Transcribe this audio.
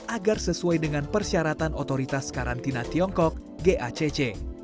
agar sesuai dengan persyaratan otoritas karantina tiongkok gacc